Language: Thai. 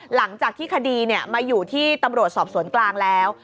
หลังจากที่คดีมาอยู่ที่ตำรวจสอบสวนกลางแล้ว